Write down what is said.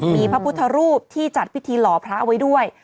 มีพระพุทธรูปที่จัดพิธีหล่อพระไว้ด้วย